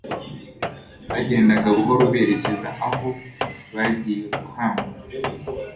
Bagendaga buhoro berekeza aho bagiye guhamba.